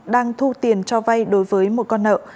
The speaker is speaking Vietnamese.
đang thu tiền cho vay đối với một con nợ